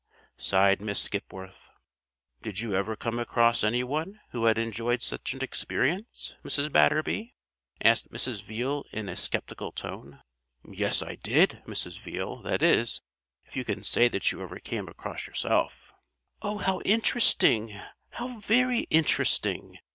sighed Miss Skipworth. "Did you ever come across any one who had enjoyed such an experience, Mrs. Batterby?" asked Mrs. Veale in a sceptical tone. "Yes, I did, Mrs. Veale that is, if you can say that you ever came across yourself." "Oh, how interesting! how very interesting!"